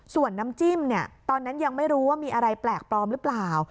ส่วนน้ำจิ้มเนี่ยตอนนั้นยังไม่รู้ว่ามีอะไรแปลกปลอมหรือเปล่า